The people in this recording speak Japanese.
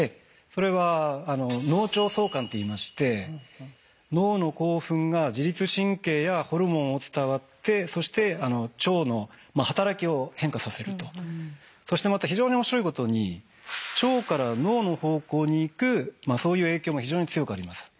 それは脳腸相関といいまして脳の興奮が自律神経やホルモンを伝わってそして腸の働きを変化させるとそしてまた非常に面白いことに腸から脳の方向に行くそういう影響も非常に強くあります。